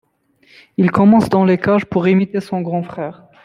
Il commence dans les cages pour imiter son grand frère.